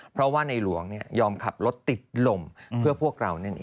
เพราะว่าในหลวงยอมขับรถติดลมเพื่อพวกเรานั่นเอง